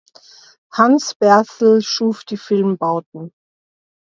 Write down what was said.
Hans Berthel schuf die Filmbauten.